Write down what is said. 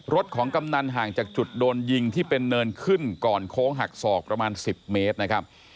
รถของกำนันห่างจากจุดโดนยิงที่เป็นเนินขึ้นก่อนโค้งหักศอกประมาณ๑๐เมตรนะครับ